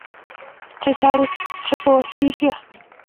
che chang ko kisiryo